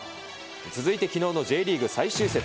続いてきのうのＪリーグ最終節。